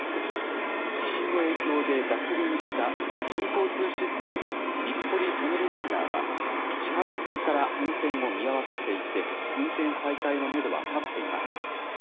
地震の影響で脱輪した新交通システムの日暮里・舎人ライナーは始発から運転を見合わせていて、運転再開のメドは立っていません。